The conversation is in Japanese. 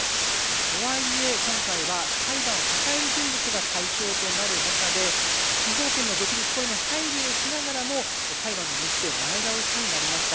とはいえ、今回は裁判を抱える人物が対象となる中で司法権の独立に配慮をしながら裁判の日程が前倒しになりました。